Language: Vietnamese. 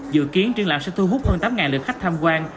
dự kiến triển lãm sẽ thu hút hơn tám lượt khách tham quan